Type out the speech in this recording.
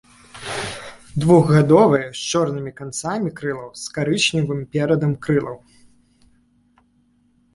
Двухгадовыя з чорнымі канцамі крылаў, з карычневым перадам крылаў.